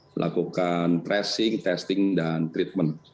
melakukan tracing testing dan treatment